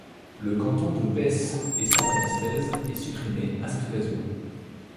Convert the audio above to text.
Le canton de Besse-et-Saint-Anastaise est supprimé à cette occasion.